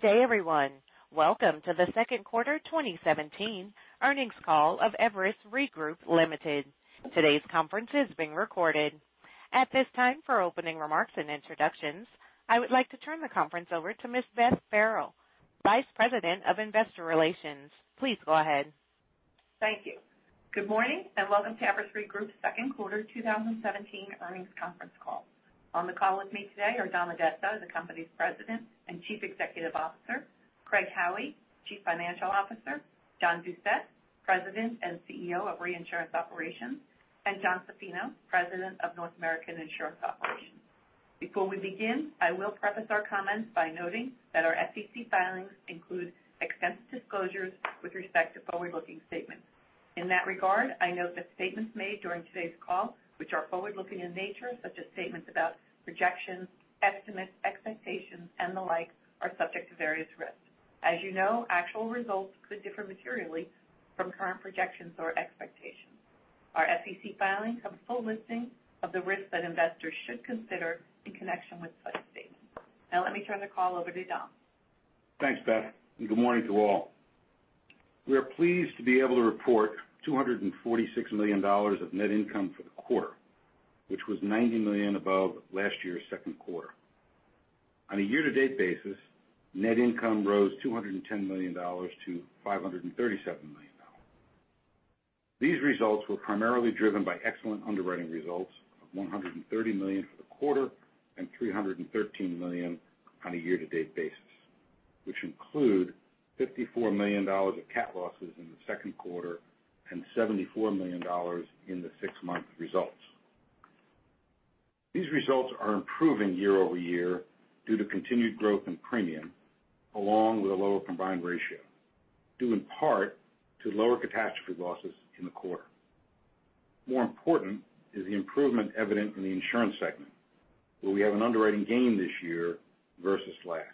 Good day, everyone. Welcome to the second quarter 2017 earnings call of Everest Re Group, Ltd. Today's conference is being recorded. At this time, for opening remarks and introductions, I would like to turn the conference over to Ms. Beth Farrell, Vice President of Investor Relations. Please go ahead. Thank you. Good morning and welcome to Everest Re Group's second quarter 2017 earnings conference call. On the call with me today are Dom Addesso, the company's President and Chief Executive Officer, Craig Howie, Chief Financial Officer, John Doucette, President and CEO of Reinsurance Operations, and John Zaffino, President of North American Insurance Operations. Before we begin, I will preface our comments by noting that our SEC filings include extensive disclosures with respect to forward-looking statements. In that regard, I note that statements made during today's call, which are forward-looking in nature, such as statements about projections, estimates, expectations, and the like, are subject to various risks. As you know, actual results could differ materially from current projections or expectations. Our SEC filings have a full listing of the risks that investors should consider in connection with such statements. Let me turn the call over to Dom. Thanks, Beth. Good morning to all. We are pleased to be able to report $246 million of net income for the quarter, which was $90 million above last year's second quarter. On a year-to-date basis, net income rose $210 million to $537 million. These results were primarily driven by excellent underwriting results of $130 million for the quarter and $313 million on a year-to-date basis, which include $54 million of cat losses in the second quarter and $74 million in the six-month results. These results are improving year-over-year due to continued growth in premium, along with a lower combined ratio, due in part to lower catastrophe losses in the quarter. More important is the improvement evident in the insurance segment, where we have an underwriting gain this year versus last.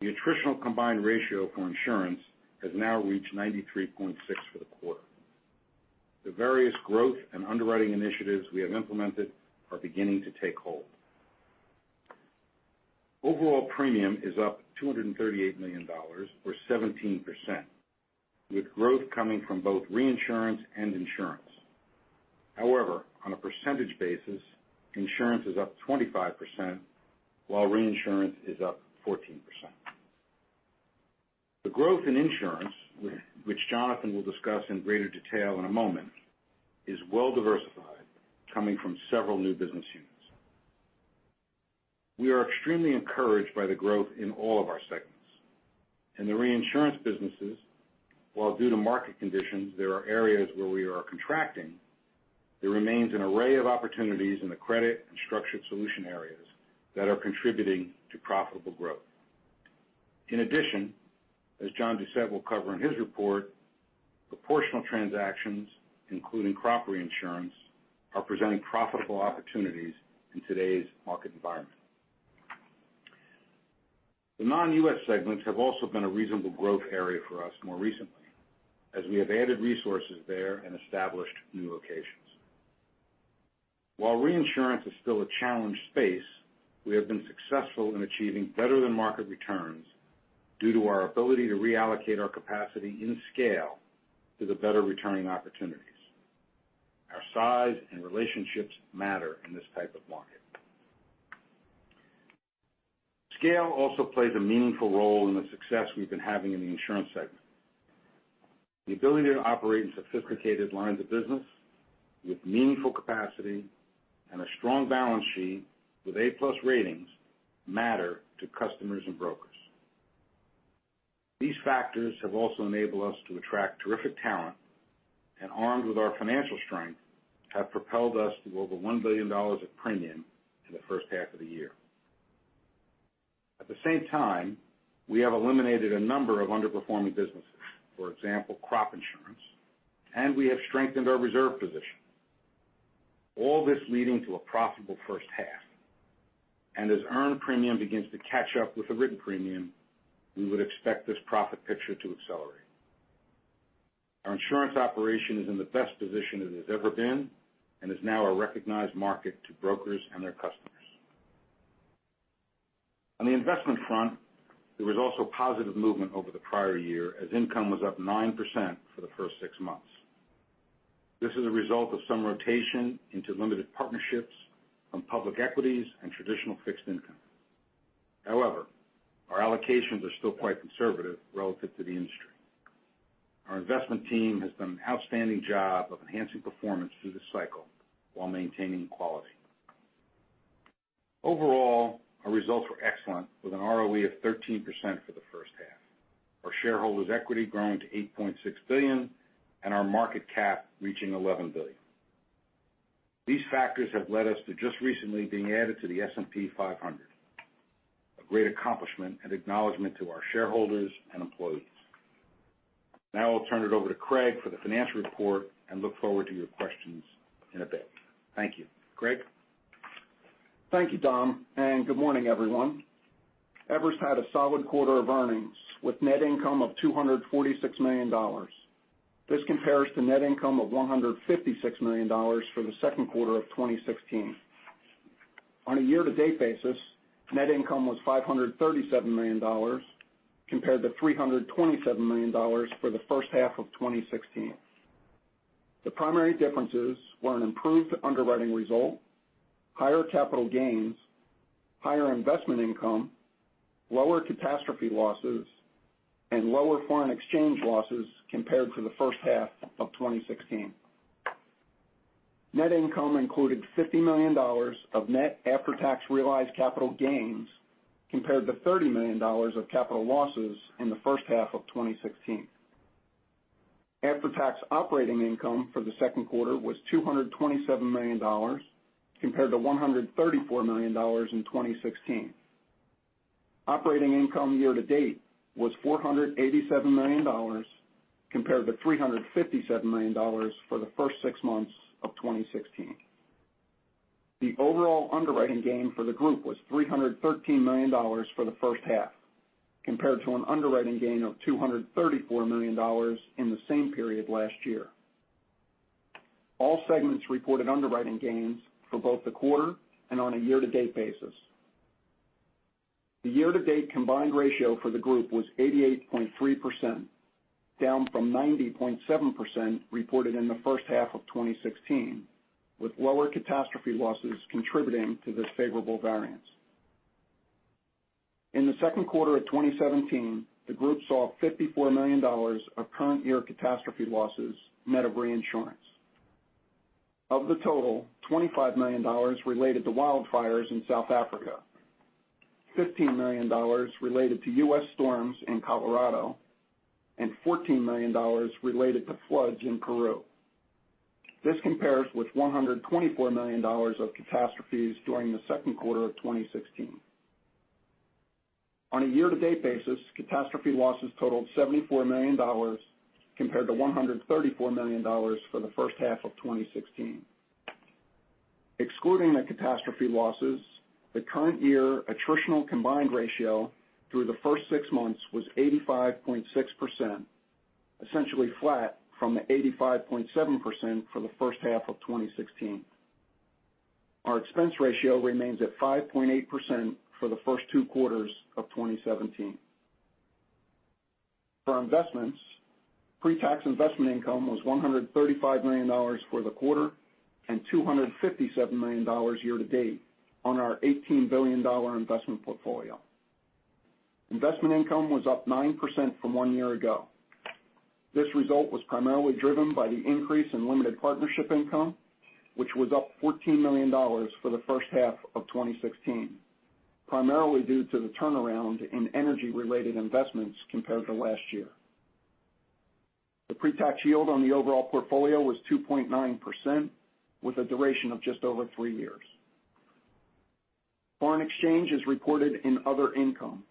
The attritional combined ratio for insurance has now reached 93.6 for the quarter. The various growth and underwriting initiatives we have implemented are beginning to take hold. Overall premium is up $238 million or 17%, with growth coming from both reinsurance and insurance. However, on a percentage basis, insurance is up 25%, while reinsurance is up 14%. The growth in insurance, which Jonathan will discuss in greater detail in a moment, is well diversified, coming from several new business units. We are extremely encouraged by the growth in all of our segments. In the reinsurance businesses, while due to market conditions, there are areas where we are contracting, there remains an array of opportunities in the credit and structured solution areas that are contributing to profitable growth. In addition, as John Doucette will cover in his report, proportional transactions, including crop reinsurance, are presenting profitable opportunities in today's market environment. The non-U.S. segments have also been a reasonable growth area for us more recently, as we have added resources there and established new locations. While reinsurance is still a challenged space, we have been successful in achieving better-than-market returns due to our ability to reallocate our capacity in scale to the better-returning opportunities. Our size and relationships matter in this type of market. Scale also plays a meaningful role in the success we've been having in the insurance segment. The ability to operate in sophisticated lines of business with meaningful capacity and a strong balance sheet with A+ ratings matter to customers and brokers. These factors have also enabled us to attract terrific talent, and armed with our financial strength, have propelled us to over $1 billion of premium in the first half of the year. At the same time, we have eliminated a number of underperforming businesses, for example, crop insurance, and we have strengthened our reserve position. All this leading to a profitable first half. As earned premium begins to catch up with the written premium, we would expect this profit picture to accelerate. Our insurance operation is in the best position it has ever been and is now a recognized market to brokers and their customers. On the investment front, there was also positive movement over the prior year as income was up 9% for the first six months. This is a result of some rotation into limited partnerships from public equities and traditional fixed income. However, our allocations are still quite conservative relative to the industry. Our investment team has done an outstanding job of enhancing performance through this cycle while maintaining quality. Overall, our results were excellent with an ROE of 13% for the first half. Our shareholders' equity growing to $8.6 billion and our market cap reaching $11 billion. These factors have led us to just recently being added to the S&P 500, a great accomplishment and acknowledgment to our shareholders and employees. I'll turn it over to Craig for the financial report and look forward to your questions in a bit. Thank you. Craig? Thank you, Dom, and good morning, everyone. Everest had a solid quarter of earnings with net income of $246 million. This compares to net income of $156 million for the second quarter of 2016. On a year-to-date basis, net income was $537 million compared to $327 million for the first half of 2016. The primary differences were an improved underwriting result, higher capital gains, higher investment income, lower catastrophe losses, and lower foreign exchange losses compared to the first half of 2016. Net income included $50 million of net after-tax realized capital gains, compared to $30 million of capital losses in the first half of 2016. After-tax operating income for the second quarter was $227 million compared to $134 million in 2016. Operating income year to date was $487 million compared to $357 million for the first six months of 2016. The overall underwriting gain for the group was $313 million for the first half, compared to an underwriting gain of $234 million in the same period last year. All segments reported underwriting gains for both the quarter and on a year-to-date basis. The year-to-date combined ratio for the group was 88.3%, down from 90.7% reported in the first half of 2016, with lower catastrophe losses contributing to this favorable variance. In the second quarter of 2017, the group saw $54 million of current year catastrophe losses net of reinsurance. Of the total, $25 million related to wildfires in South Africa, $15 million related to U.S. storms in Colorado, and $14 million related to floods in Peru. This compares with $124 million of catastrophes during the second quarter of 2016. On a year-to-date basis, catastrophe losses totaled $74 million, compared to $134 million for the first half of 2016. Excluding the catastrophe losses, the current year attritional combined ratio through the first six months was 85.6%, essentially flat from the 85.7% for the first half of 2016. Our expense ratio remains at 5.8% for the first two quarters of 2017. For investments, pre-tax investment income was $135 million for the quarter, and $257 million year-to-date on our $18 billion investment portfolio. Investment income was up 9% from one year ago. This result was primarily driven by the increase in limited partnership income, which was up $14 million for the first half of 2016, primarily due to the turnaround in energy-related investments compared to last year. The pre-tax yield on the overall portfolio was 2.9%, with a duration of just over three years. Foreign exchange is reported in other income.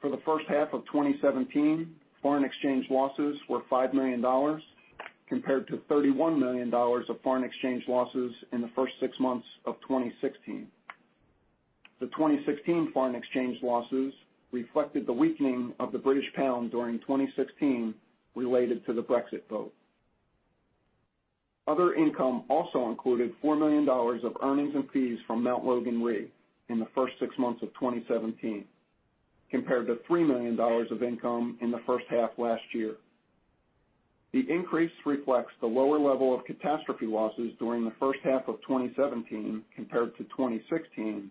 For the first half of 2017, foreign exchange losses were $5 million compared to $31 million of foreign exchange losses in the first six months of 2016. The 2016 foreign exchange losses reflected the weakening of the British pound during 2016 related to the Brexit vote. Other income also included $4 million of earnings and fees from Mount Logan Re in the first six months of 2017, compared to $3 million of income in the first half last year. The increase reflects the lower level of catastrophe losses during the first half of 2017 compared to 2016,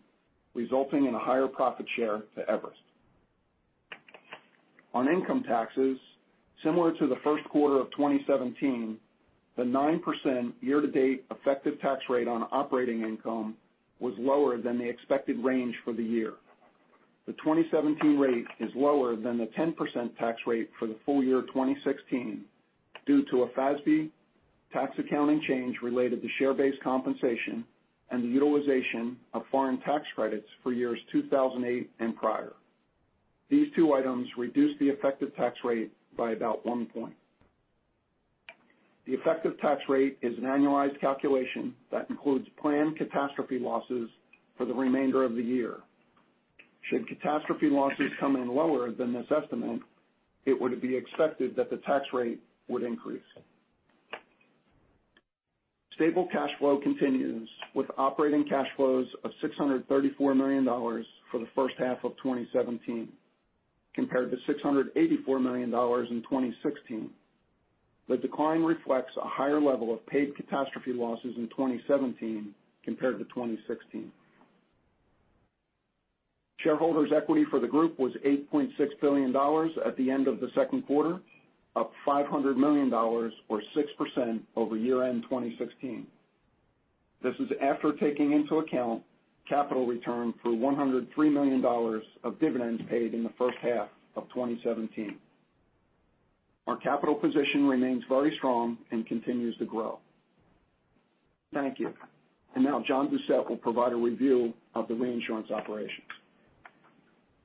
resulting in a higher profit share to Everest. On income taxes, similar to the first quarter of 2017, the 9% year-to-date effective tax rate on operating income was lower than the expected range for the year. The 2017 rate is lower than the 10% tax rate for the full year 2016 due to a FASB tax accounting change related to share-based compensation and the utilization of foreign tax credits for years 2008 and prior. These two items reduced the effective tax rate by about one point. The effective tax rate is an annualized calculation that includes planned catastrophe losses for the remainder of the year. Should catastrophe losses come in lower than this estimate, it would be expected that the tax rate would increase. Stable cash flow continues with operating cash flows of $634 million for the first half of 2017, compared to $684 million in 2016. The decline reflects a higher level of paid catastrophe losses in 2017 compared to 2016. Shareholders' equity for the group was $8.6 billion at the end of the second quarter, up $500 million, or 6%, over year-end 2016. This is after taking into account capital return for $103 million of dividends paid in the first half of 2017. Our capital position remains very strong and continues to grow. Thank you. Now John Doucette will provide a review of the reinsurance operations.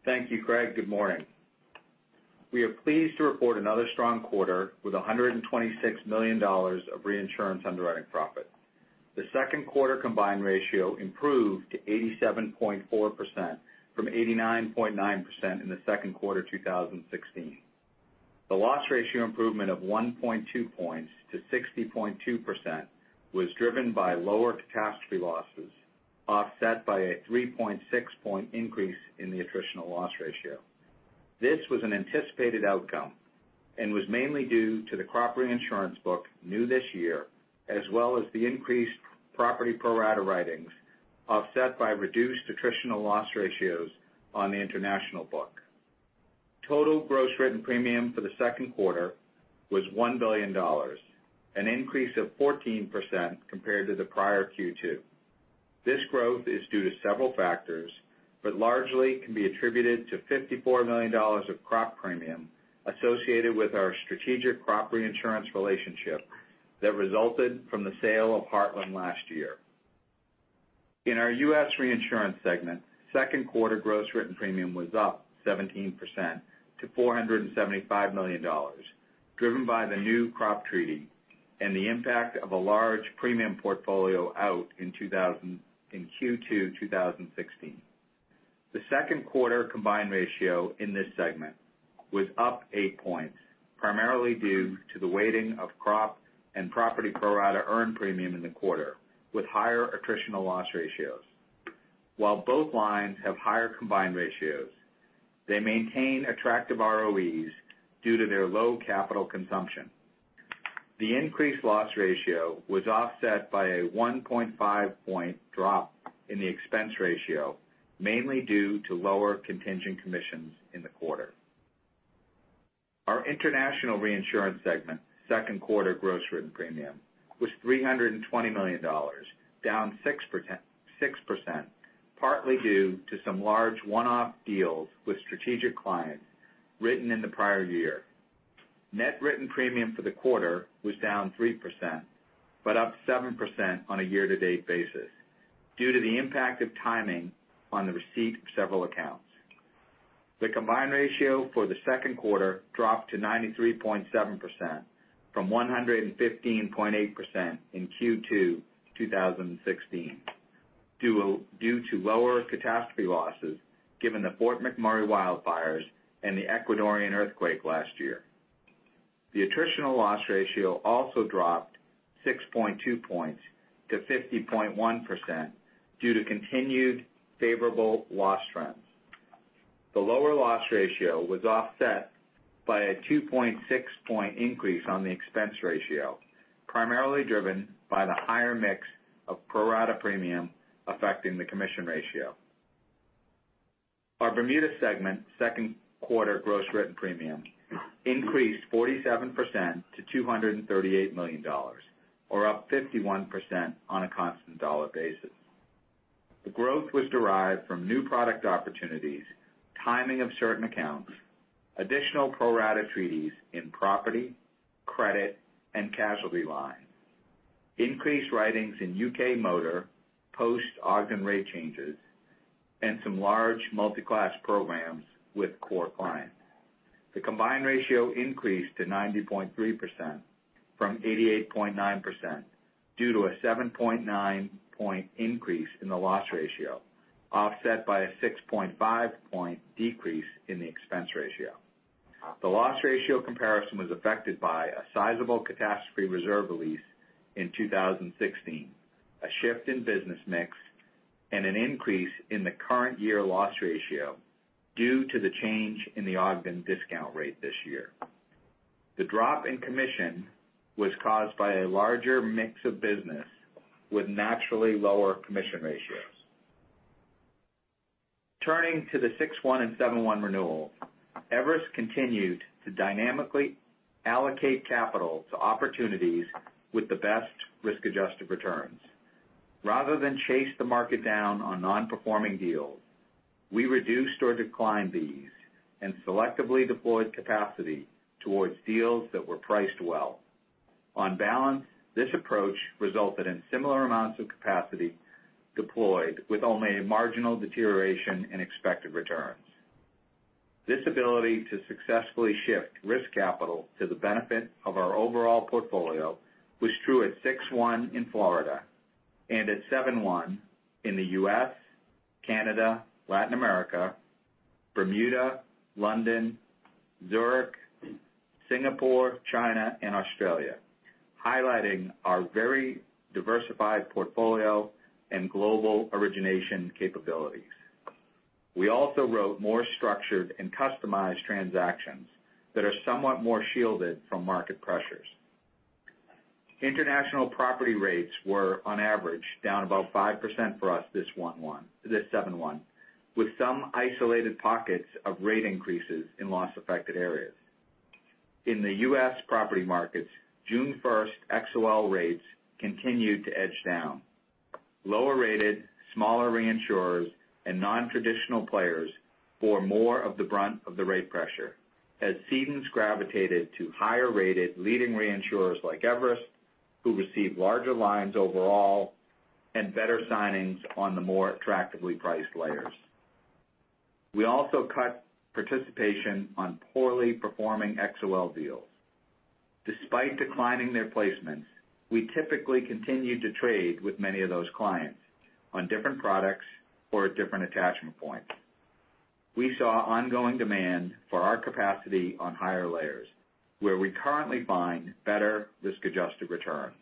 Thank you, Craig. Good morning. We are pleased to report another strong quarter with $126 million of reinsurance underwriting profit. The second quarter combined ratio improved to 87.4%, from 89.9% in the second quarter 2016. The loss ratio improvement of 1.2 points to 60.2% was driven by lower catastrophe losses, offset by a 3.6 point increase in the attritional loss ratio. This was an anticipated outcome and was mainly due to the crop reinsurance book new this year, as well as the increased property pro-rata writings, offset by reduced attritional loss ratios on the international book. Total gross written premium for the second quarter was $1 billion, an increase of 14% compared to the prior Q2. This growth is due to several factors, but largely can be attributed to $54 million of crop premium associated with our strategic crop reinsurance relationship that resulted from the sale of Heartland last year. In our U.S. reinsurance segment, second quarter gross written premium was up 17% to $475 million, driven by the new crop treaty and the impact of a large premium portfolio out in Q2 2016. The second quarter combined ratio in this segment was up eight points, primarily due to the weighting of crop and property pro-rata earned premium in the quarter, with higher attritional loss ratios. While both lines have higher combined ratios, they maintain attractive ROEs due to their low capital consumption. The increased loss ratio was offset by a 1.5 point drop in the expense ratio, mainly due to lower contingent commissions in the quarter. Our international reinsurance segment second quarter gross written premium was $320 million, down 6%, partly due to some large one-off deals with strategic clients written in the prior year. Net written premium for the quarter was down 3%, but up 7% on a year-to-date basis due to the impact of timing on the receipt of several accounts. The combined ratio for the second quarter dropped to 93.7%, from 115.8% in Q2 2016 due to lower catastrophe losses given the Fort McMurray wildfires and the Ecuadorian earthquake last year. The attritional loss ratio also dropped 6.2 points to 50.1% due to continued favorable loss trends. The lower loss ratio was offset by a 2.6 point increase on the expense ratio, primarily driven by the higher mix of pro-rata premium affecting the commission ratio. Our Bermuda segment second quarter gross written premium increased 47% to $238 million, or up 51% on a constant dollar basis. The growth was derived from new product opportunities, timing of certain accounts, additional pro-rata treaties in property, credit, and casualty lines, increased writings in U.K. motor post Ogden rate changes, and some large multi-class programs with core clients. The combined ratio increased to 90.3% from 88.9% due to a 7.9 point increase in the loss ratio, offset by a 6.5 point decrease in the expense ratio. The loss ratio comparison was affected by a sizable catastrophe reserve release in 2016, a shift in business mix, and an increase in the current year loss ratio due to the change in the Ogden discount rate this year. The drop in commission was caused by a larger mix of business with naturally lower commission ratios. Turning to the 6/1 and 7/1 renewal, Everest continued to dynamically allocate capital to opportunities with the best risk-adjusted returns. Rather than chase the market down on non-performing deals, we reduced or declined these and selectively deployed capacity towards deals that were priced well. On balance, this approach resulted in similar amounts of capacity deployed with only a marginal deterioration in expected returns. This ability to successfully shift risk capital to the benefit of our overall portfolio was true at 6/1 in Florida and at 7/1 in the U.S., Canada, Latin America, Bermuda, London, Zurich, Singapore, China, and Australia, highlighting our very diversified portfolio and global origination capabilities. We also wrote more structured and customized transactions that are somewhat more shielded from market pressures. International property rates were on average down about 5% for us this 7/1, with some isolated pockets of rate increases in loss-affected areas. In the U.S. property markets, June 1st XOL rates continued to edge down. Lower rated, smaller reinsurers and non-traditional players bore more of the brunt of the rate pressure as cedents gravitated to higher rated leading reinsurers like Everest, who received larger lines overall and better signings on the more attractively priced layers. We also cut participation on poorly performing XOL deals. Despite declining their placements, we typically continued to trade with many of those clients on different products or at different attachment points. We saw ongoing demand for our capacity on higher layers, where we currently find better risk-adjusted returns.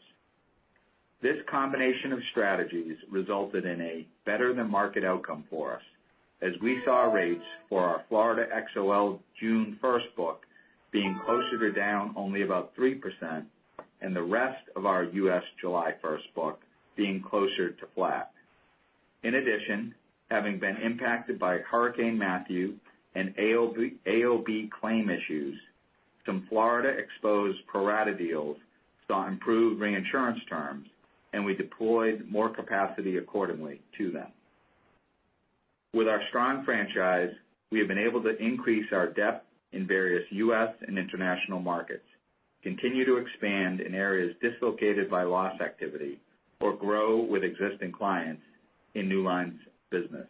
This combination of strategies resulted in a better-than-market outcome for us as we saw rates for our Florida XOL June 1st book being closer to down only about 3% and the rest of our U.S. July 1st book being closer to flat. In addition, having been impacted by Hurricane Matthew and AOB claim issues, some Florida exposed pro-rata deals saw improved reinsurance terms, and we deployed more capacity accordingly to them. With our strong franchise, we have been able to increase our depth in various U.S. and international markets, continue to expand in areas dislocated by loss activity, or grow with existing clients in new lines business.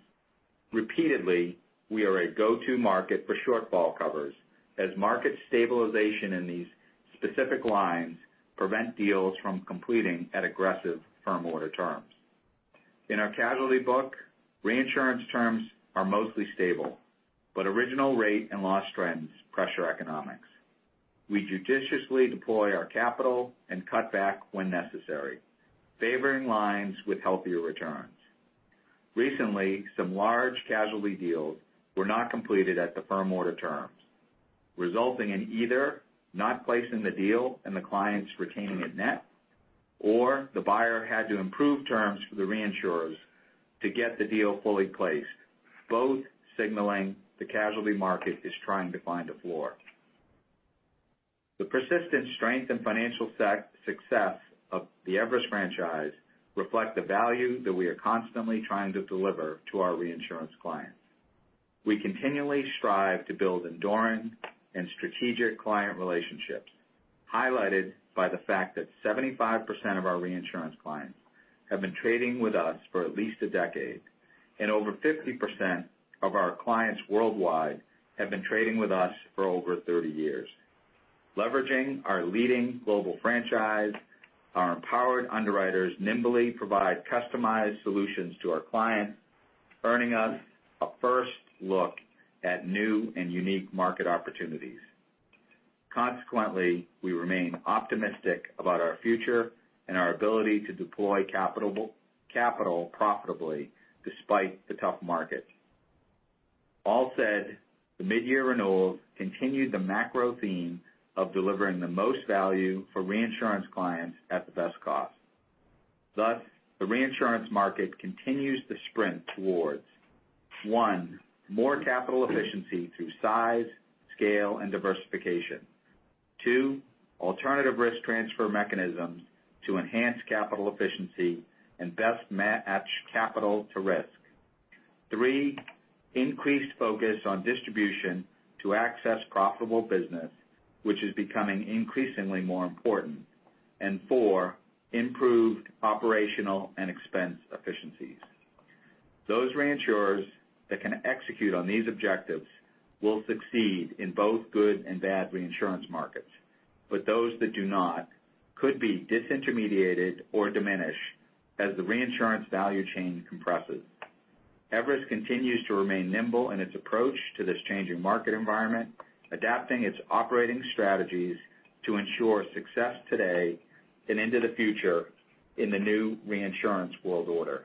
Repeatedly, we are a go-to market for shortfall covers as market stabilization in these specific lines prevent deals from completing at aggressive firm order terms. In our casualty book, reinsurance terms are mostly stable, but original rate and loss trends pressure economics. We judiciously deploy our capital and cut back when necessary, favoring lines with healthier returns. Recently, some large casualty deals were not completed at the firm order terms, resulting in either not placing the deal and the clients retaining it net, or the buyer had to improve terms for the reinsurers to get the deal fully placed, both signaling the casualty market is trying to find a floor. The persistent strength and financial success of the Everest franchise reflect the value that we are constantly trying to deliver to our reinsurance clients. We continually strive to build enduring and strategic client relationships, highlighted by the fact that 75% of our reinsurance clients have been trading with us for at least a decade and over 50% of our clients worldwide have been trading with us for over 30 years. Leveraging our leading global franchise, our empowered underwriters nimbly provide customized solutions to our clients, earning us a first look at new and unique market opportunities. Consequently, we remain optimistic about our future and our ability to deploy capital profitably despite the tough market. All said, the mid-year renewals continued the macro theme of delivering the most value for reinsurance clients at the best cost. The reinsurance market continues the sprint towards, 1, more capital efficiency through size, scale and diversification. 2, alternative risk transfer mechanisms to enhance capital efficiency and best match capital to risk. 3, increased focus on distribution to access profitable business, which is becoming increasingly more important. 4, improved operational and expense efficiencies. Those reinsurers that can execute on these objectives will succeed in both good and bad reinsurance markets. Those that do not could be disintermediated or diminished as the reinsurance value chain compresses. Everest continues to remain nimble in its approach to this changing market environment, adapting its operating strategies to ensure success today and into the future in the new reinsurance world order.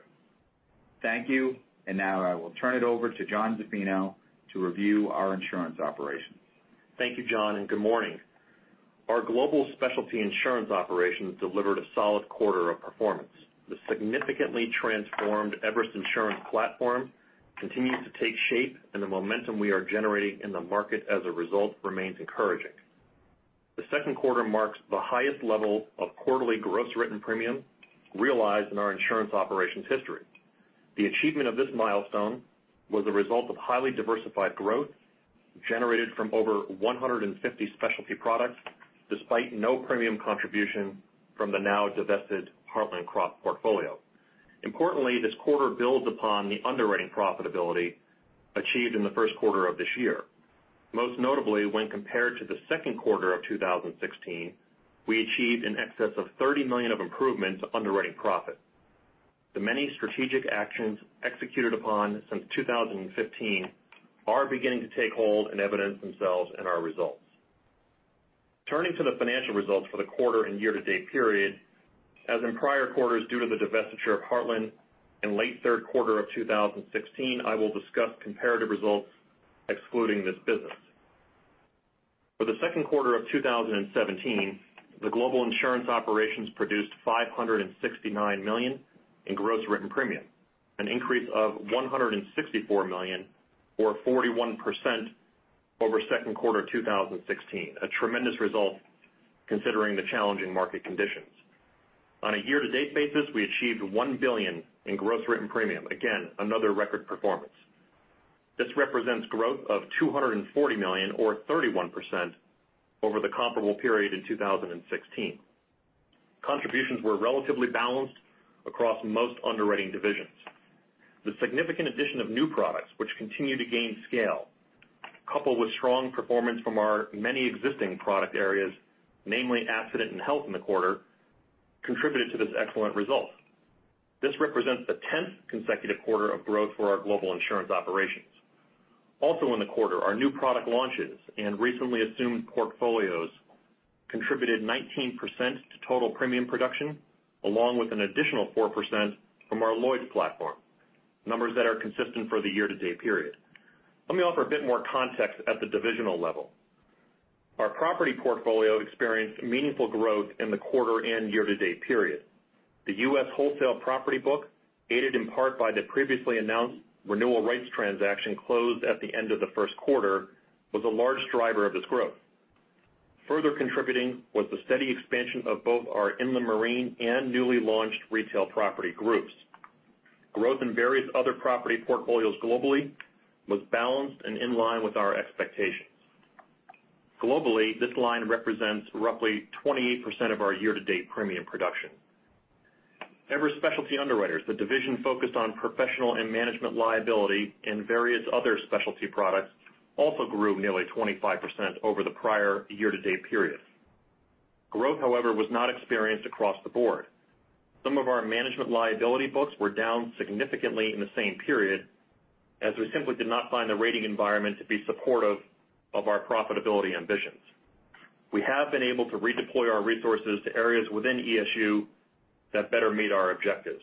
Thank you, and now I will turn it over to John Zaffino to review our insurance operations. Thank you, John, and good morning. Our global specialty insurance operations delivered a solid quarter of performance. The significantly transformed Everest insurance platform continues to take shape, and the momentum we are generating in the market as a result remains encouraging. The second quarter marks the highest level of quarterly gross written premium realized in our insurance operations history. The achievement of this milestone was the result of highly diversified growth generated from over 150 specialty products, despite no premium contribution from the now divested Heartland Crop portfolio. Importantly, this quarter builds upon the underwriting profitability achieved in the first quarter of this year. Most notably, when compared to the second quarter of 2016, we achieved in excess of $30 million of improvements underwriting profit. The many strategic actions executed upon since 2015 are beginning to take hold and evidence themselves in our results. Turning to the financial results for the quarter and year-to-date period, as in prior quarters, due to the divestiture of Heartland in late third quarter of 2016, I will discuss comparative results excluding this business. For the second quarter of 2017, the global insurance operations produced $569 million in gross written premium, an increase of $164 million or 41% over second quarter 2016, a tremendous result considering the challenging market conditions. On a year-to-date basis, we achieved $1 billion in gross written premium. Again, another record performance. This represents growth of $240 million or 31% over the comparable period in 2016. Contributions were relatively balanced across most underwriting divisions. The significant addition of new products, which continue to gain scale, coupled with strong performance from our many existing product areas, namely accident and health in the quarter, contributed to this excellent result. This represents the 10th consecutive quarter of growth for our global insurance operations. Also in the quarter, our new product launches and recently assumed portfolios contributed 19% to total premium production, along with an additional 4% from our Lloyd's platform, numbers that are consistent for the year-to-date period. Let me offer a bit more context at the divisional level. Our property portfolio experienced meaningful growth in the quarter and year-to-date period. The U.S. wholesale property book, aided in part by the previously announced renewal rights transaction closed at the end of the first quarter, was a large driver of this growth. Further contributing was the steady expansion of both our inland marine and newly launched retail property groups. Growth in various other property portfolios globally was balanced and in line with our expectations. Globally, this line represents roughly 28% of our year-to-date premium production. Everest Specialty Underwriters, the division focused on professional and management liability and various other specialty products, also grew nearly 25% over the prior year-to-date period. Growth, however, was not experienced across the board. Some of our management liability books were down significantly in the same period, as we simply did not find the rating environment to be supportive of our profitability ambitions. We have been able to redeploy our resources to areas within ESU that better meet our objectives.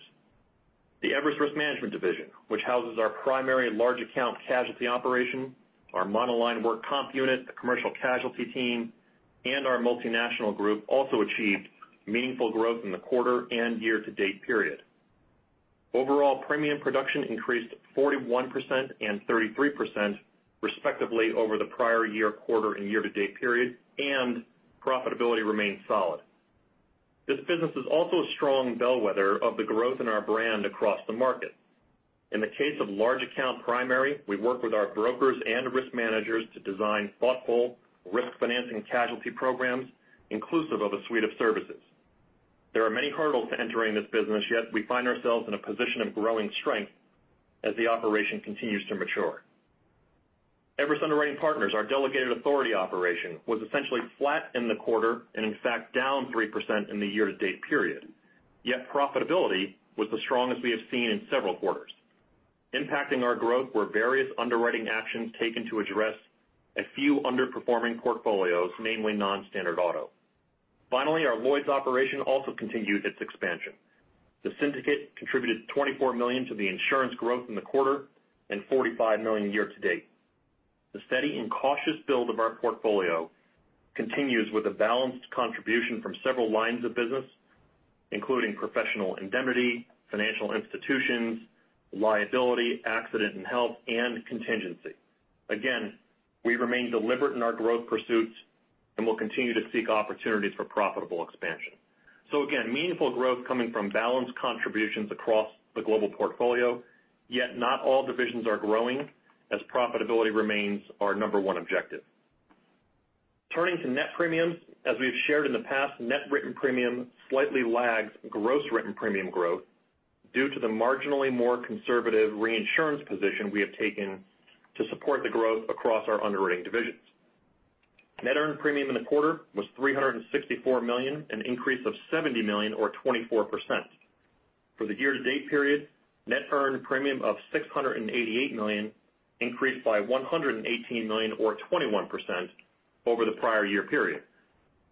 The Everest Risk Management division, which houses our primary large account casualty operation, our monoline work comp unit, the commercial casualty team, and our multinational group, also achieved meaningful growth in the quarter and year-to-date period. Overall premium production increased 41% and 33% respectively over the prior year, quarter and year-to-date period, and profitability remained solid. This business is also a strong bellwether of the growth in our brand across the market. In the case of large account primary, we work with our brokers and risk managers to design thoughtful risk financing casualty programs inclusive of a suite of services. There are many hurdles to entering this business, yet we find ourselves in a position of growing strength as the operation continues to mature. Everest Underwriting Partners, our delegated authority operation, was essentially flat in the quarter and in fact down 3% in the year-to-date period. Yet profitability was the strongest we have seen in several quarters. Impacting our growth were various underwriting actions taken to address a few underperforming portfolios, namely non-standard auto. Finally, our Lloyd's operation also continued its expansion. The syndicate contributed $24 million to the insurance growth in the quarter and $45 million year-to-date. The steady and cautious build of our portfolio continues with a balanced contribution from several lines of business, including professional indemnity, financial institutions, liability, accident and health, and contingency. We remain deliberate in our growth pursuits, and will continue to seek opportunities for profitable expansion. Meaningful growth coming from balanced contributions across the global portfolio. Not all divisions are growing, as profitability remains our number one objective. Turning to net premiums. As we have shared in the past, net written premium slightly lags gross written premium growth due to the marginally more conservative reinsurance position we have taken to support the growth across our underwriting divisions. Net earned premium in the quarter was $364 million, an increase of $70 million or 24%. For the year-to-date period, net earned premium of $688 million increased by $118 million or 21% over the prior year period.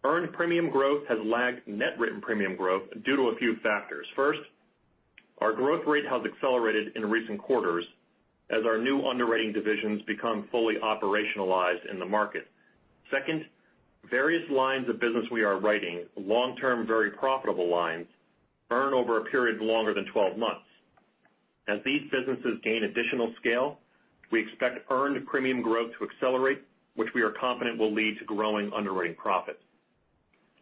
Earned premium growth has lagged net written premium growth due to a few factors. First, our growth rate has accelerated in recent quarters as our new underwriting divisions become fully operationalized in the market. Second, various lines of business we are writing, long-term very profitable lines, earn over a period longer than 12 months. As these businesses gain additional scale, we expect earned premium growth to accelerate, which we are confident will lead to growing underwriting profits.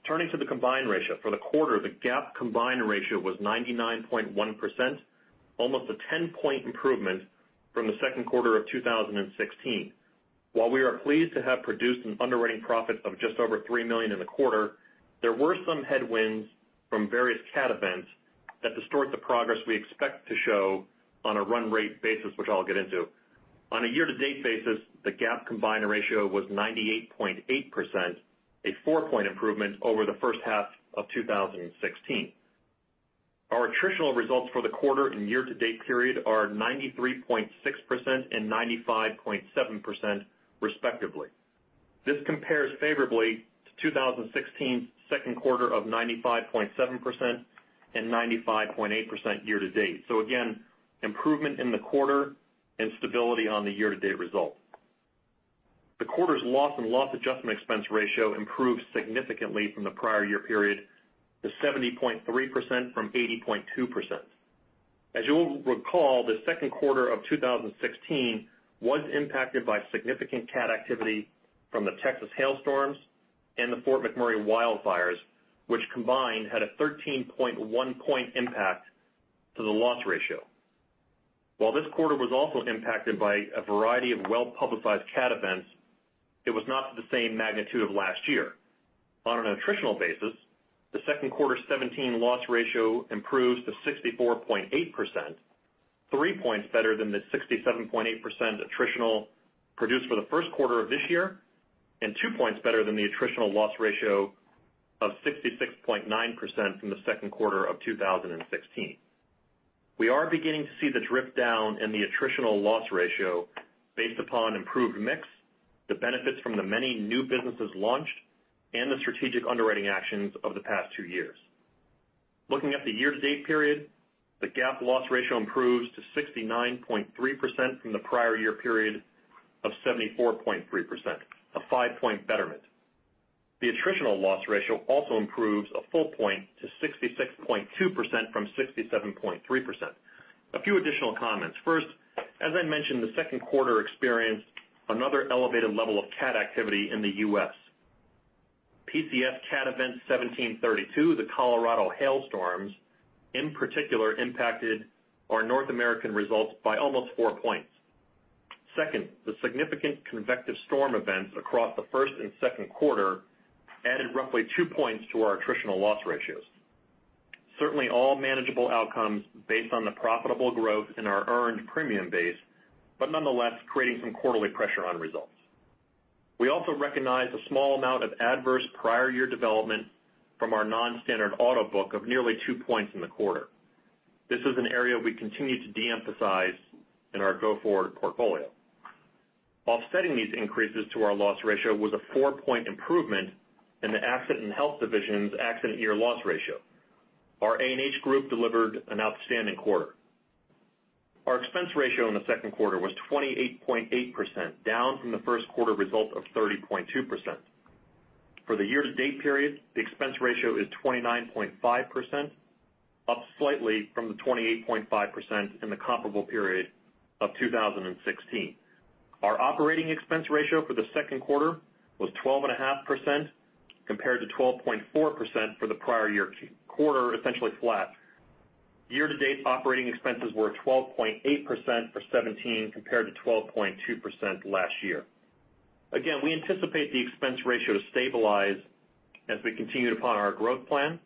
Turning to the combined ratio. For the quarter, the GAAP combined ratio was 99.1%, almost a 10-point improvement from the second quarter of 2016. While we are pleased to have produced an underwriting profit of just over $3 million in the quarter, there were some headwinds from various cat events that distort the progress we expect to show on a run rate basis, which I'll get into. On a year-to-date basis, the GAAP combined ratio was 98.8%, a four-point improvement over the first half of 2016. Our attritional results for the quarter and year-to-date period are 93.6% and 95.7% respectively. This compares favorably to 2016's second quarter of 95.7% and 95.8% year to date. Improvement in the quarter and stability on the year-to-date result. The quarter's loss and loss adjustment expense ratio improved significantly from the prior year period to 70.3% from 80.2%. As you will recall, the second quarter of 2016 was impacted by significant cat activity from the Texas hailstorms and the Fort McMurray wildfires, which combined had a 13.1 point impact to the loss ratio. While this quarter was also impacted by a variety of well-publicized cat events, it was not to the same magnitude of last year. On an attritional basis, the second quarter 2017 loss ratio improves to 64.8%, three points better than the 67.8% attritional produced for the first quarter of this year, and two points better than the attritional loss ratio of 66.9% from the second quarter of 2016. We are beginning to see the drift down in the attritional loss ratio based upon improved mix, the benefits from the many new businesses launched, and the strategic underwriting actions of the past two years. Looking at the year-to-date period, the GAAP loss ratio improves to 69.3% from the prior year period of 74.3%, a five-point betterment. The attritional loss ratio also improves a full point to 66.2% from 67.3%. A few additional comments. First, as I mentioned, the second quarter experienced another elevated level of cat activity in the U.S. PCS cat event 1732, the Colorado hail storms, in particular, impacted our North American results by almost four points. Second, the significant convective storm events across the first and second quarter added roughly two points to our attritional loss ratios. Certainly all manageable outcomes based on the profitable growth in our earned premium base, but nonetheless, creating some quarterly pressure on results. We also recognized a small amount of adverse prior year development from our non-standard auto book of nearly two points in the quarter. This is an area we continue to de-emphasize in our go-forward portfolio. Offsetting these increases to our loss ratio was a four-point improvement in the accident and health division's accident year loss ratio. Our A&H group delivered an outstanding quarter. Our expense ratio in the second quarter was 28.8%, down from the first quarter result of 30.2%. For the year-to-date period, the expense ratio is 29.5%, up slightly from the 28.5% in the comparable period of 2016. Our operating expense ratio for the second quarter was 12.5% compared to 12.4% for the prior year quarter, essentially flat. Year-to-date operating expenses were 12.8% for 2017 compared to 12.2% last year. Again, we anticipate the expense ratio to stabilize as we continue to follow our growth plan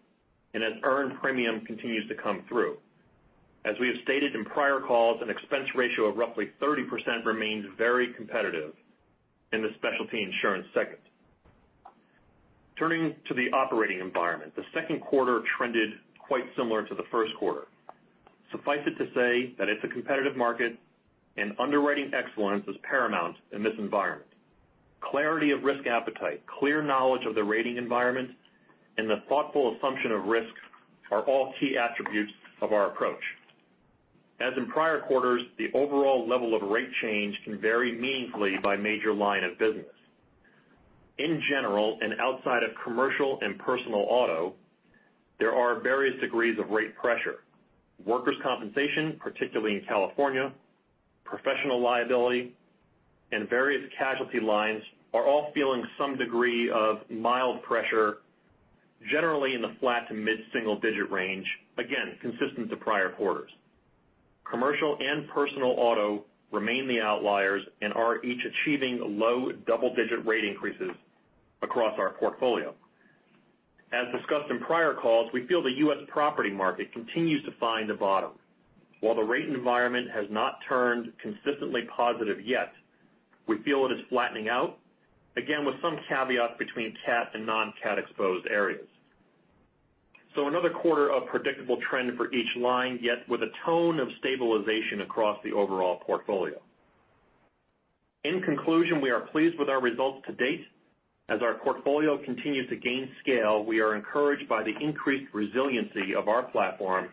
and as earned premium continues to come through. As we have stated in prior calls, an expense ratio of roughly 30% remains very competitive in the specialty insurance segment. Turning to the operating environment, the second quarter trended quite similar to the first quarter. Suffice it to say that it's a competitive market and underwriting excellence is paramount in this environment. Clarity of risk appetite, clear knowledge of the rating environment, and the thoughtful assumption of risk are all key attributes of our approach. As in prior quarters, the overall level of rate change can vary meaningfully by major line of business. In general, and outside of commercial and personal auto, there are various degrees of rate pressure. Workers' compensation, particularly in California, professional liability, and various casualty lines are all feeling some degree of mild pressure, generally in the flat to mid-single digit range, again, consistent with the prior quarters. Commercial and personal auto remain the outliers and are each achieving low double-digit rate increases across our portfolio. As discussed in prior calls, we feel the U.S. property market continues to find a bottom. While the rate environment has not turned consistently positive yet, we feel it is flattening out, again with some caveats between cat and non-cat exposed areas. Another quarter of predictable trend for each line, yet with a tone of stabilization across the overall portfolio. In conclusion, we are pleased with our results to date. As our portfolio continues to gain scale, we are encouraged by the increased resiliency of our platform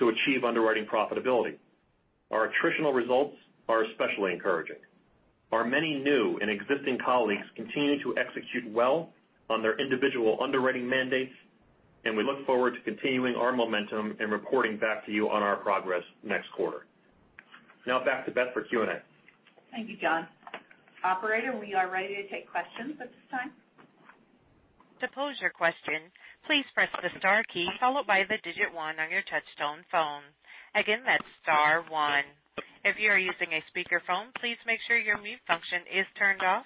to achieve underwriting profitability. Our attritional results are especially encouraging. Our many new and existing colleagues continue to execute well on their individual underwriting mandates, and we look forward to continuing our momentum and reporting back to you on our progress next quarter. Now back to Beth for Q&A. Thank you, John. Operator, we are ready to take questions at this time. To pose your question, please press the star key followed by the digit 1 on your touchtone phone. Again, that's star 1. If you are using a speakerphone, please make sure your mute function is turned off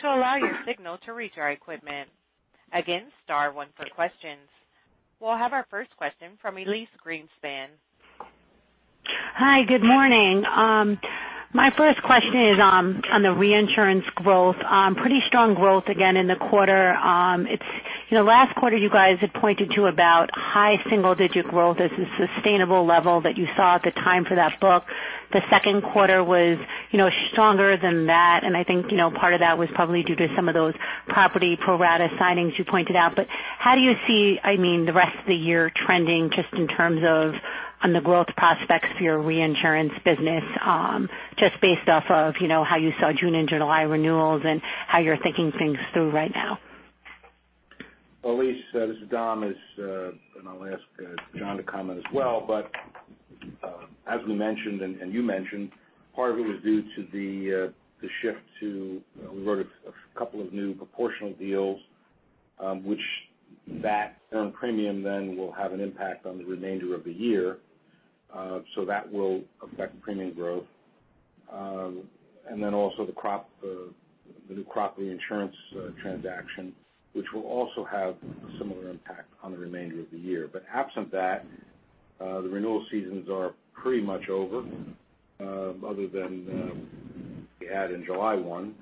to allow your signal to reach our equipment. Again, star 1 for questions. We'll have our first question from Elyse Greenspan. Hi. Good morning. My first question is on the reinsurance growth. Pretty strong growth again in the quarter. Last quarter, you guys had pointed to about high single-digit growth as a sustainable level that you saw at the time for that book. The second quarter was stronger than that, and I think part of that was probably due to some of those property pro-rata signings you pointed out. How do you see the rest of the year trending just in terms of on the growth prospects for your reinsurance business, just based off of how you saw June and July renewals and how you're thinking things through right now? Elyse, this is Dom, I'll ask John to comment as well, as we mentioned and you mentioned, part of it was due to the shift to, we wrote a couple of new proportional deals That earned premium then will have an impact on the remainder of the year. That will affect premium growth. Also the new crop reinsurance transaction, which will also have a similar impact on the remainder of the year. Absent that, the renewal seasons are pretty much over, other than we had in July 1.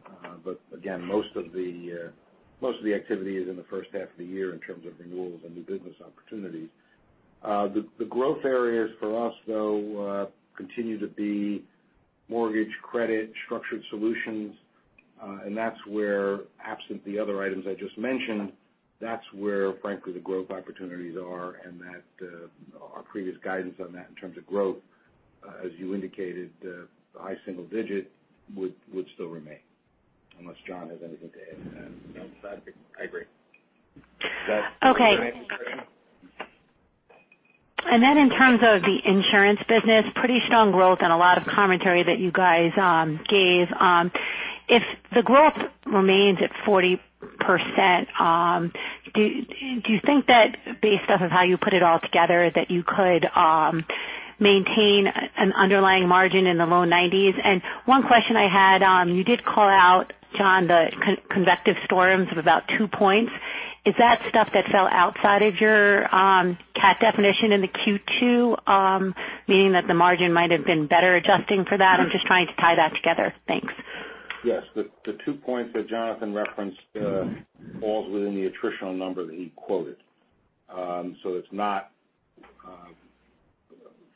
Again, most of the activity is in the first half of the year in terms of renewals and new business opportunities. The growth areas for us, though, continue to be mortgage credit structured solutions. That's where, absent the other items I just mentioned, that's where, frankly, the growth opportunities are and that our previous guidance on that in terms of growth, as you indicated, the high single digit would still remain. Unless John has anything to add. No, I agree. That's- Okay. In terms of the insurance business, pretty strong growth and a lot of commentary that you guys gave. If the growth remains at 40%, do you think that based off of how you put it all together, that you could maintain an underlying margin in the low 90s? One question I had, you did call out, Jonathan, the convective storms of about 2 points. Is that stuff that fell outside of your cat definition into Q2, meaning that the margin might have been better adjusting for that? I'm just trying to tie that together. Thanks. Yes. The 2 points that Jonathan referenced falls within the attritional number that he quoted.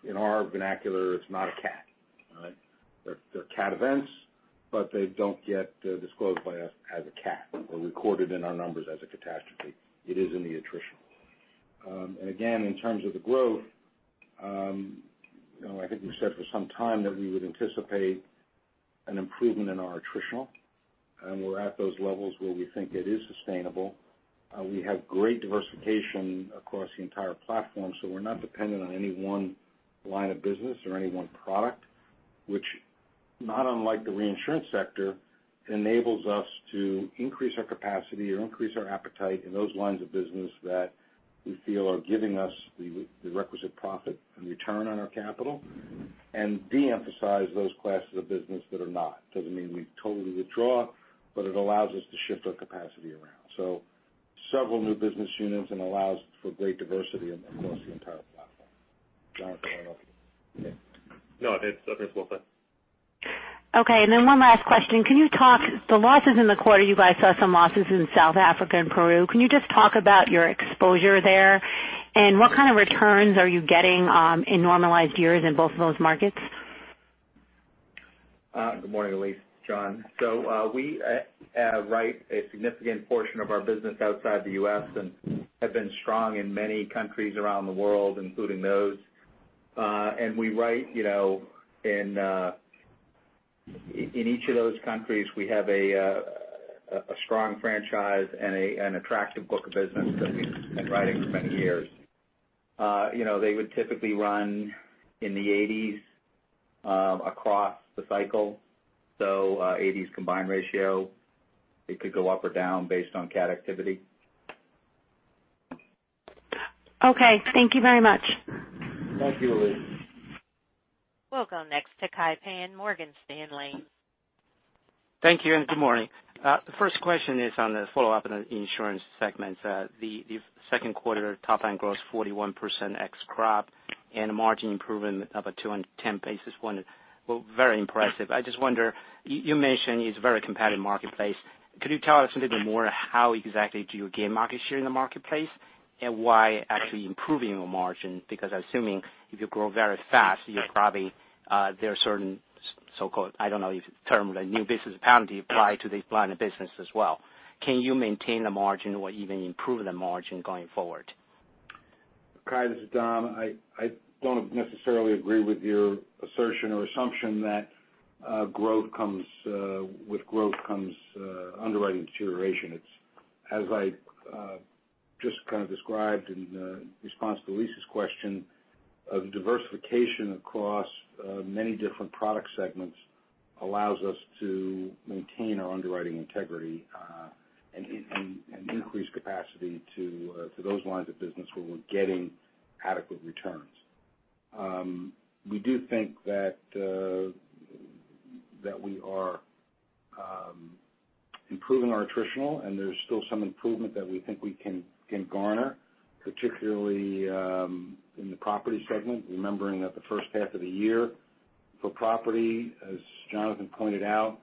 In our vernacular, it's not a cat. All right? They're cat events, but they don't get disclosed by us as a cat or recorded in our numbers as a catastrophe. It is in the attritional. Again, in terms of the growth, I think we've said for some time that we would anticipate an improvement in our attritional, and we're at those levels where we think it is sustainable. We have great diversification across the entire platform. We're not dependent on any one line of business or any one product, which not unlike the reinsurance sector, enables us to increase our capacity or increase our appetite in those lines of business that we feel are giving us the requisite profit and return on our capital, and de-emphasize those classes of business that are not. It doesn't mean we totally withdraw, but it allows us to shift our capacity around. Several new business units and allows for great diversity across the entire platform. Jonathan, why don't you? No, I think it's well said. Okay, one last question. The losses in the quarter, you guys saw some losses in South Africa and Peru. Can you just talk about your exposure there? What kind of returns are you getting in normalized years in both of those markets? Good morning, Elyse. John. We write a significant portion of our business outside the U.S. and have been strong in many countries around the world, including those. In each of those countries, we have a strong franchise and an attractive book of business that we've been writing for many years. They would typically run in the 80s across the cycle. 80s combined ratio, it could go up or down based on cat activity. Okay. Thank you very much. Thank you, Elyse. We'll go next to Kai Pan, Morgan Stanley. Thank you. Good morning. The first question is on the follow-up in the insurance segment. The second quarter top line growth, 41% ex crop and a margin improvement of a 210 basis point. Well, very impressive. I just wonder, you mentioned it's a very competitive marketplace. Could you tell us a little bit more how exactly do you gain market share in the marketplace, and why actually improving the margin? I'm assuming if you grow very fast, there are certain so-called, I don't know if the term, a new business penalty apply to the line of business as well. Can you maintain the margin or even improve the margin going forward? Kai, this is Dom. I don't necessarily agree with your assertion or assumption that with growth comes underwriting deterioration. As I just kind of described in response to Elyse's question, diversification across many different product segments allows us to maintain our underwriting integrity, and increase capacity to those lines of business where we're getting adequate returns. We do think that we are improving our attritional, and there's still some improvement that we think we can garner, particularly in the property segment. Remembering that the first half of the year for property, as Jonathan pointed out,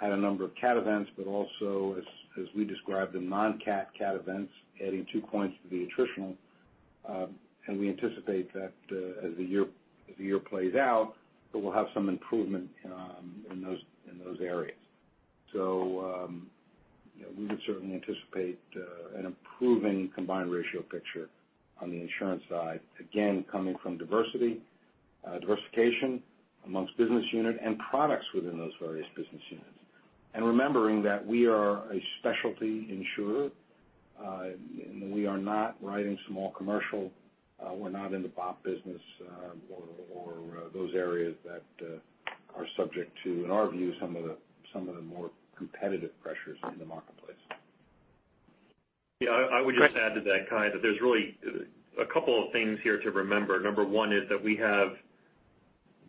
had a number of cat events, but also as we described them, non-cat, cat events, adding two points to the attritional. We anticipate that as the year plays out, that we'll have some improvement in those areas. We would certainly anticipate an improving combined ratio picture on the insurance side, again, coming from diversification amongst business unit and products within those various business units. Remembering that we are a specialty insurer. We are not writing small commercial, we're not in the BOP business, or those areas that are subject to, in our view, some of the more competitive pressures in the marketplace. Yeah, I would just add to that, Kai, that there's really a couple of things here to remember. Number one is that we have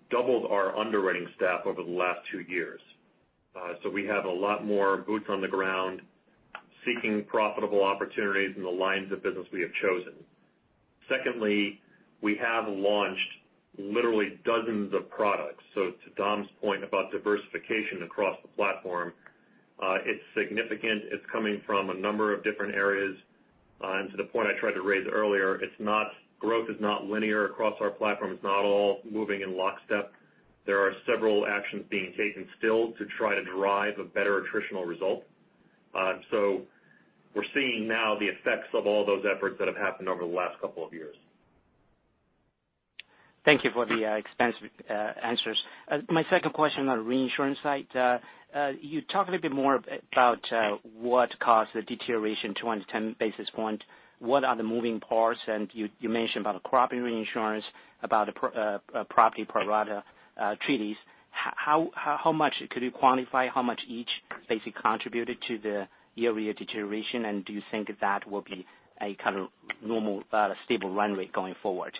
doubled our underwriting staff over the last two years. We have a lot more boots on the ground seeking profitable opportunities in the lines of business we have chosen. Secondly, we have launched literally dozens of products. To Dom's point about diversification across the platform, it's significant. It's coming from a number of different areas. To the point I tried to raise earlier, growth is not linear across our platform. It's not all moving in lockstep. There are several actions being taken still to try to derive a better attritional result. We're seeing now the effects of all those efforts that have happened over the last couple of years. Thank you for the extensive answers. My second question on reinsurance side. You talk a little bit more about what caused the deterioration, 210 basis point. What are the moving parts? You mentioned about crop reinsurance, about property pro-rata treaties. Could you quantify how much each basically contributed to the year-over-year deterioration? Do you think that will be a kind of normal, stable run rate going forward?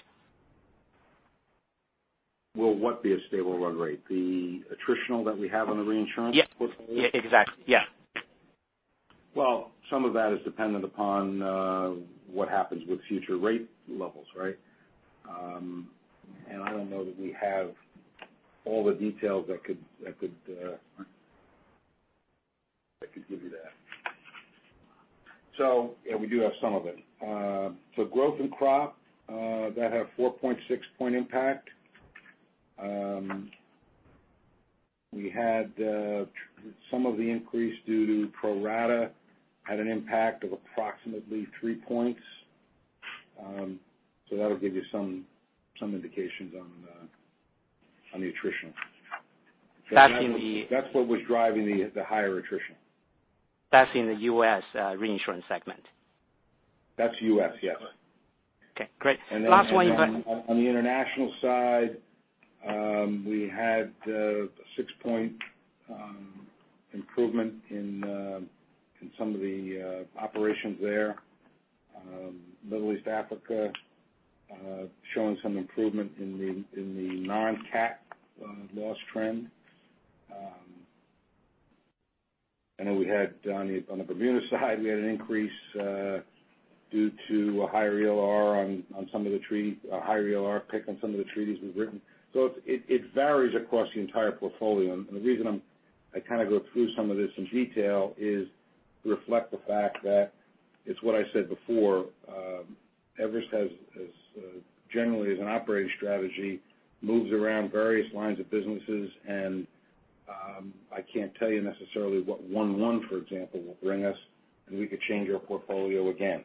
Will what be a stable run rate? The attritional that we have on the reinsurance portfolio? Yes, exactly. Yeah. Well, some of that is dependent upon what happens with future rate levels, right? I don't know that we have all the details that could give you that. Yeah, we do have some of it. Growth in crop, that had 4.6 point impact. We had some of the increase due to pro-rata, had an impact of approximately 3 points. That'll give you some indications on the attritional. That's in the- That's what was driving the higher attrition. That's in the U.S. reinsurance segment. That's U.S., yes. Okay, great. Last one. On the international side, we had six-point improvement in some of the operations there. Middle East Africa showing some improvement in the non-cat loss trend. I know we had on the Bermuda side, we had an increase due to a higher ELR pick on some of the treaties we've written. It varies across the entire portfolio. The reason I go through some of this in detail is to reflect the fact that it's what I said before. Everest has generally as an operating strategy, moves around various lines of businesses and I can't tell you necessarily what one, for example, will bring us, and we could change our portfolio again.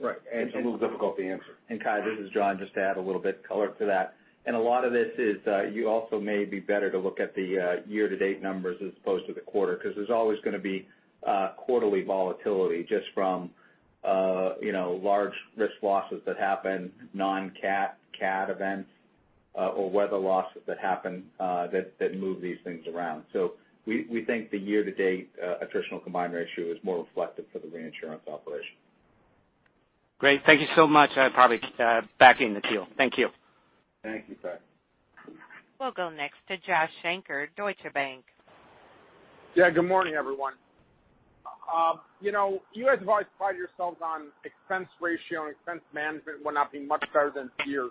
Right. It's a little difficult to answer. Kai, this is John, just to add a little bit color to that. A lot of this is, you also may be better to look at the year-to-date numbers as opposed to the quarter, because there's always going to be quarterly volatility just from large risk losses that happen, non-cat, cat events, or weather losses that happen, that move these things around. We think the year-to-date attritional combined ratio is more reflective for the reinsurance operation. Great. Thank you so much. I'll probably be back in the queue. Thank you. Thank you, Kai. We'll go next to Joshua Shanker, Deutsche Bank. Yeah, good morning, everyone. You guys have always prided yourselves on expense ratio and expense management, while not being much better than peers.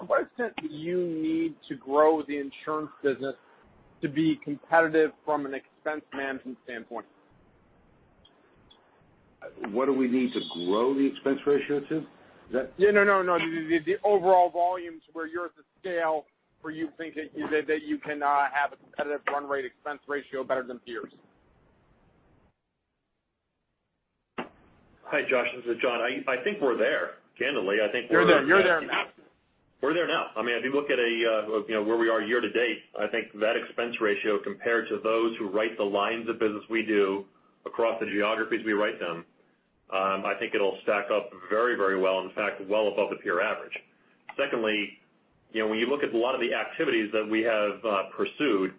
To what extent do you need to grow the insurance business to be competitive from an expense management standpoint? What do we need to grow the expense ratio to? Yeah. No, no. The overall volumes where you're at the scale where you think that you can have a competitive run rate expense ratio better than peers. Hi, Josh, this is Jon. I think we're there, candidly. You're there now? We're there now. If you look at where we are year to date, I think that expense ratio compared to those who write the lines of business we do across the geographies we write them, I think it'll stack up very well. In fact, well above the peer average. Secondly, when you look at a lot of the activities that we have pursued,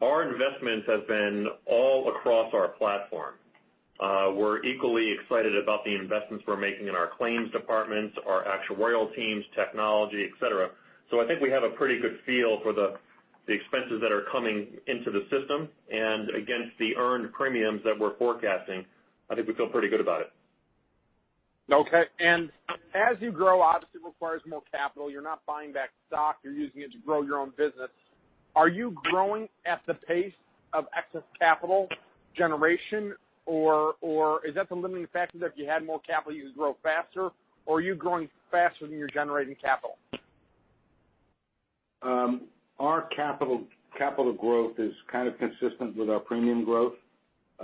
our investments have been all across our platform. We're equally excited about the investments we're making in our claims departments, our actuarial teams, technology, et cetera. I think we have a pretty good feel for the expenses that are coming into the system and against the earned premiums that we're forecasting. I think we feel pretty good about it. As you grow, obviously requires more capital. You're not buying back stock, you're using it to grow your own business. Are you growing at the pace of excess capital generation or is that the limiting factor that if you had more capital you would grow faster? Are you growing faster than you're generating capital? Our capital growth is kind of consistent with our premium growth.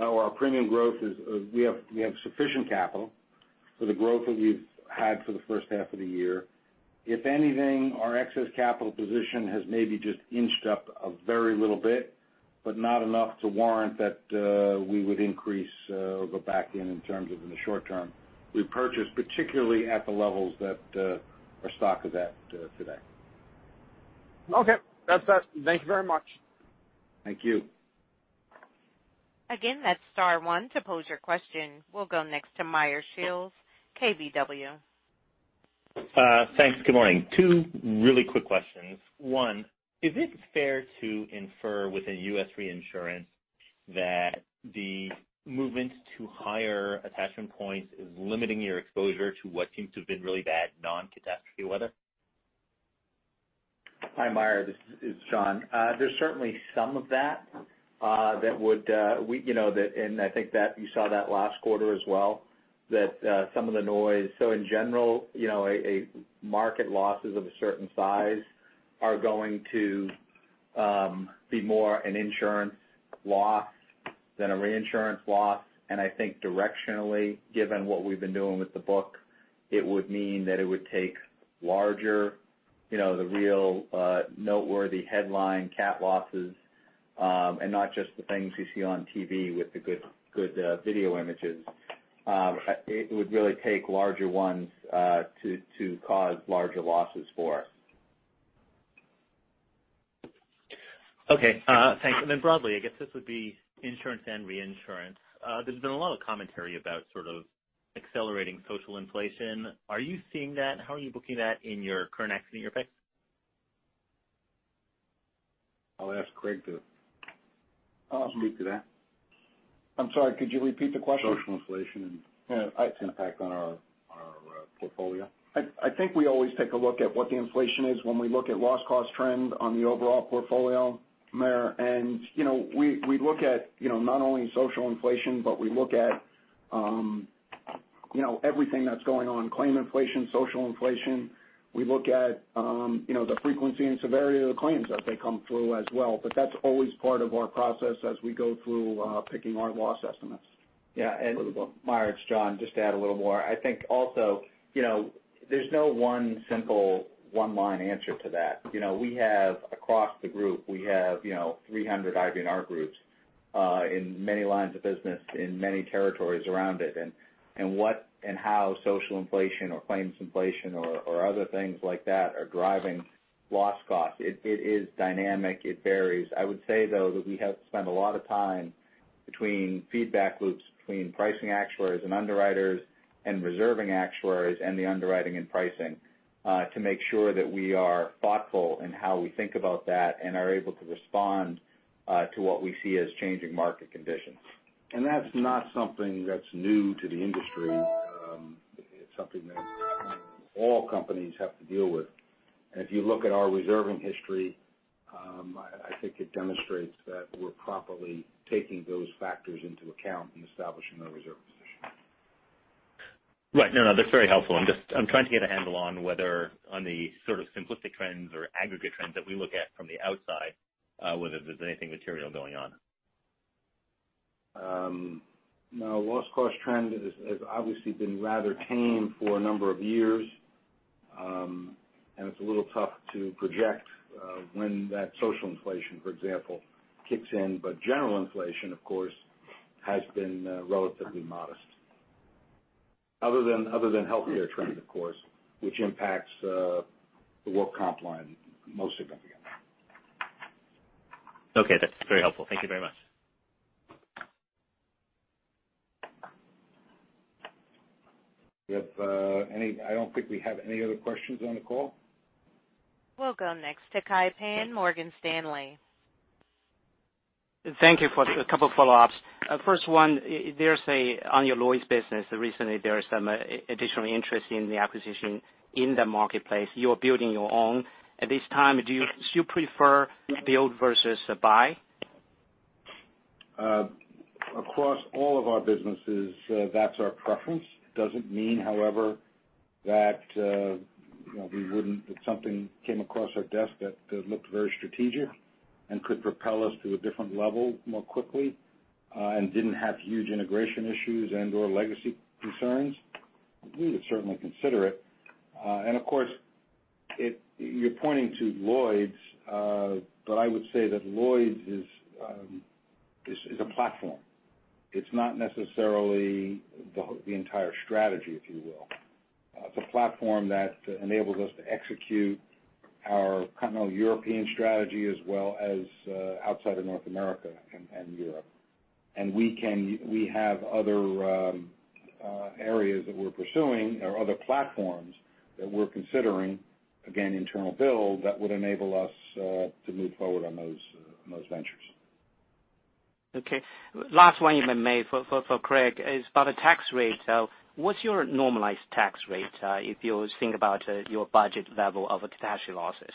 Our premium growth is we have sufficient capital for the growth that we've had for the first half of the year. If anything, our excess capital position has maybe just inched up a very little bit. Not enough to warrant that we would increase or go back in terms of the short term repurchase, particularly at the levels that our stock is at today. Okay. That's that. Thank you very much. Thank you. that's star one to pose your question. We'll go next to Meyer Shields, KBW. Thanks. Good morning. Two really quick questions. One, is it fair to infer within U.S. Reinsurance that the movement to higher attachment points is limiting your exposure to what seems to have been really bad non-catastrophe weather? Hi, Meyer, this is John. There's certainly some of that. I think that you saw that last quarter as well, that some of the noise. In general, market losses of a certain size are going to be more an insurance loss than a reinsurance loss. I think directionally, given what we've been doing with the book, it would mean that it would take larger, the real noteworthy headline cat losses, and not just the things you see on TV with the good video images. It would really take larger ones to cause larger losses for us. Okay. Thanks. Then broadly, I guess this would be insurance and reinsurance. There's been a lot of commentary about sort of accelerating social inflation. Are you seeing that? How are you booking that in your current accident year pace? I'll ask Craig to speak to that. I'm sorry, could you repeat the question? Social inflation and its impact on our portfolio. I think we always take a look at what the inflation is when we look at loss cost trend on the overall portfolio, Meyer. We look at not only social inflation, but we look at everything that's going on, claim inflation, social inflation. We look at the frequency and severity of the claims as they come through as well. That's always part of our process as we go through picking our loss estimates. Meyer, it's John. Just to add a little more, I think also, there's no one simple one-line answer to that. We have, across the group, we have 300 IBNR groups, in many lines of business in many territories around it. What and how social inflation or claims inflation or other things like that are driving loss cost, it is dynamic. It varies. I would say, though, that we have spent a lot of time between feedback loops, between pricing actuaries and underwriters, and reserving actuaries and the underwriting and pricing, to make sure that we are thoughtful in how we think about that and are able to respond to what we see as changing market conditions. That's not something that's new to the industry. It's something that all companies have to deal with. If you look at our reserving history, I think it demonstrates that we're properly taking those factors into account in establishing our reserve position. Right. No, no, that's very helpful. I'm trying to get a handle on whether on the sort of simplistic trends or aggregate trends that we look at from the outside, whether there's anything material going on. No. Loss cost trend has obviously been rather tame for a number of years. It's a little tough to project when that social inflation, for example, kicks in. General inflation, of course, has been relatively modest. Other than healthcare trends, of course, which impacts the work comp line most significantly. Okay. That's very helpful. Thank you very much. I don't think we have any other questions on the call. We'll go next to Kai Pan, Morgan Stanley. Thank you. A couple follow-ups. First one, on your Lloyd's business recently, there is some additional interest in the acquisition in the marketplace. You're building your own. At this time, do you still prefer build versus buy? Across all of our businesses, that's our preference. Doesn't mean, however, that if something came across our desk that looked very strategic and could propel us to a different level more quickly, and didn't have huge integration issues and/or legacy concerns, we would certainly consider it. Of course, you're pointing to Lloyd's, but I would say that Lloyd's is a platform. It's not necessarily the entire strategy, if you will. It's a platform that enables us to execute our continental European strategy as well as outside of North America and Europe. We have other areas that we're pursuing or other platforms that we're considering, again, internal build, that would enable us to move forward on those ventures. Okay. Last one may for Craig is about the tax rate. What's your normalized tax rate, if you think about your budget level of catastrophe losses?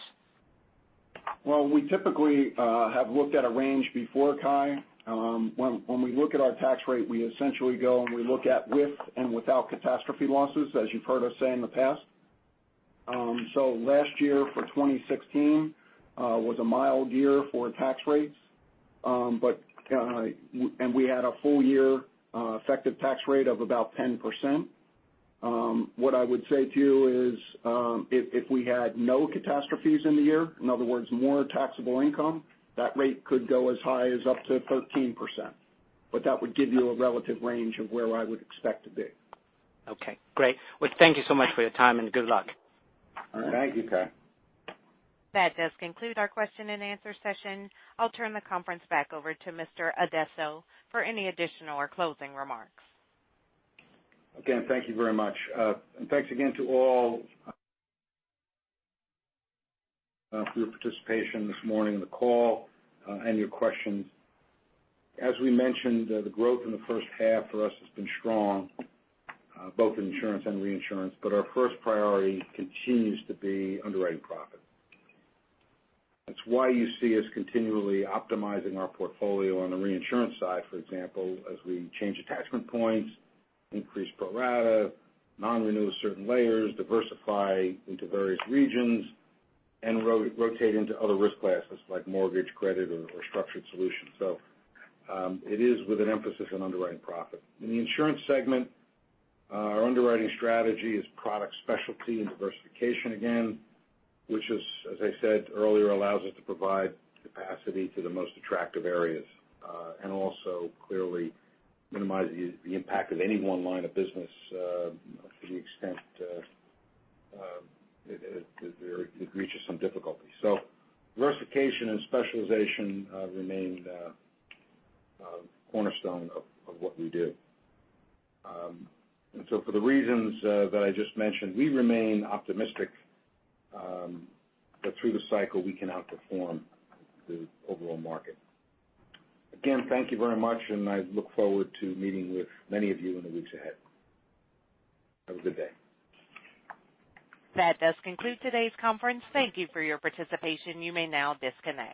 Well, we typically have looked at a range before, Kai. When we look at our tax rate, we essentially go and we look at with and without catastrophe losses, as you've heard us say in the past. Last year for 2016 was a mild year for tax rates. We had a full year effective tax rate of about 10%. What I would say to you is, if we had no catastrophes in the year, in other words, more taxable income, that rate could go as high as up to 13%. That would give you a relative range of where I would expect to be. Okay, great. Well, thank you so much for your time, and good luck. All right. Thank you, Kai. That does conclude our question and answer session. I'll turn the conference back over to Mr. Addesso for any additional or closing remarks. Again, thank you very much. Thanks again to all for your participation this morning in the call, and your questions. As we mentioned, the growth in the first half for us has been strong, both in insurance and reinsurance. Our first priority continues to be underwriting profit. That's why you see us continually optimizing our portfolio on the reinsurance side, for example, as we change attachment points, increase pro rata, non-renew certain layers, diversify into various regions, and rotate into other risk classes like mortgage credit or structured solutions. It is with an emphasis on underwriting profit. In the insurance segment, our underwriting strategy is product specialty and diversification again, which, as I said earlier, allows us to provide capacity to the most attractive areas, and also clearly minimize the impact of any one line of business, to the extent it reaches some difficulty. Diversification and specialization remain the cornerstone of what we do. For the reasons that I just mentioned, we remain optimistic that through the cycle we can outperform the overall market. Again, thank you very much, and I look forward to meeting with many of you in the weeks ahead. Have a good day. That does conclude today's conference. Thank you for your participation. You may now disconnect.